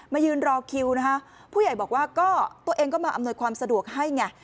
ยืนรอคิวนะคะผู้ใหญ่บอกว่าก็ตัวเองก็มาอำนวยความสะดวกให้ไง